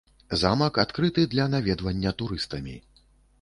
Замак адкрыты для наведвання турыстамі.